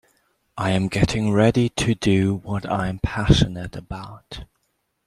I am getting ready to do what I am passionate about.